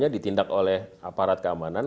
ditindak oleh aparat keamanan